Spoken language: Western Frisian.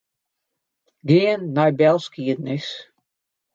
Gean nei belskiednis.